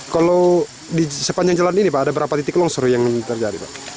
kalau di sepanjang jalan ini pak ada berapa titik longsor yang terjadi pak